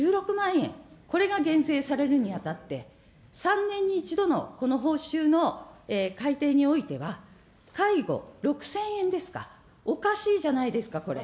円、これが減税されるにあたって、３年に１度のこの報酬の改定においては、介護６０００円ですか、おかしいじゃないですか、これ。